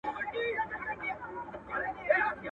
زه دي د مار څخه نه بېرېږم، ته مي په شرمښکۍ بېروې.